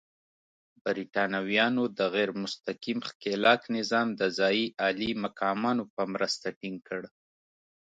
برېټانویانو د غیر مستقیم ښکېلاک نظام د ځايي عالي مقامانو په مرسته ټینګ کړ.